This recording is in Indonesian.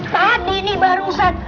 tadi ini baru sat